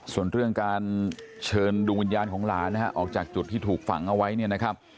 ส่วนเรื่องการเชิญดวงวิญญาณของหลานนะฮะออกจากจุดที่ถูกฝังเอาไว้เนี่ยนะครับ